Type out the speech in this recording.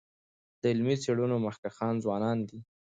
د علمي څيړنو مخکښان ځوانان دي.